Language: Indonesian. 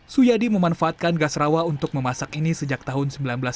suyadi memanfaatkan gas rawa untuk memasak ini sejak tahun seribu sembilan ratus sembilan puluh